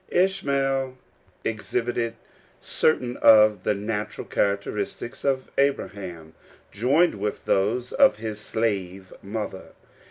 Ishmael exhibited certain of the natural char acteristics of Abraham joinecl with those of his slave mother.